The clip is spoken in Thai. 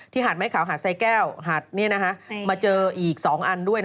ที่หาดไม้ขาวหาดสายแก้วหาดนี่นะคะมาเจออีก๒อันด้วย